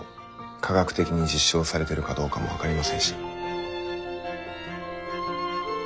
科学的に実証されてるかどうかも分かりませんし。